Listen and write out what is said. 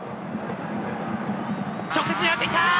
直接ねらっていった！